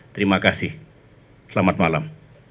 terima kasih selamat malam